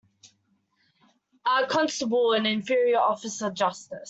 A constable an inferior officer of justice.